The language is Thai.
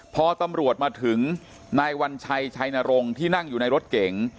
พอตำรวจมาถึงนายวัญชัยชัยนรงค์ที่นั่งอยู่ในรถเก๋ง